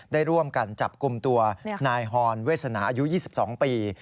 ได้ร่วมกันจับกลุ่มตัวนายฮอนเวสนาอายุ๒๒ปี